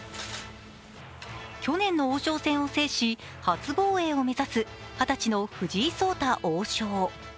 去年の王将戦を制し、初防衛を目指す二十歳の藤井聡太王将。